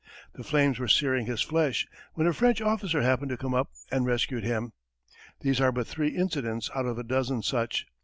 The flames were searing his flesh, when a French officer happened to come up and rescued him. These are but three incidents out of a dozen such.